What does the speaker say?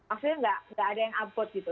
akhirnya nggak ada yang upload gitu